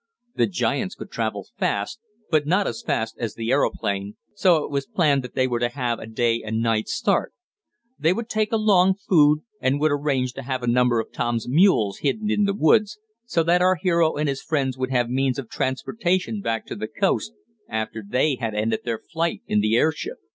The giants could travel fast, but not as fast as the aeroplane, so it was planned that they were to have a day and night's start. They would take along food, and would arrange to have a number of Tom's mules hidden in the woods, so that our hero and his friends would have means of transportation back to the coast, after they had ended their flight in the airship.